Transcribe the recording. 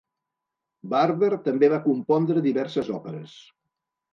Barber també va compondre diverses òperes.